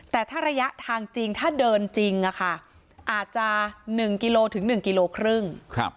แต่ถ้าระยะทางจริงถ้าเดินจริงอาจจะ๑กิโลถึง๑กิโลครึ่ง